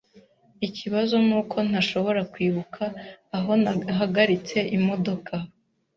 Ikibazo nuko ntashobora kwibuka aho nahagaritse imodoka .